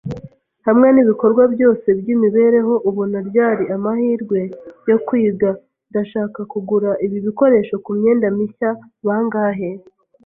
Hamwe nibikorwa byose byimibereho, ubona ryari amahirwe yo kwiga? y? Ndashaka kugura ibi bikoresho kumyenda mishya. Bangahe?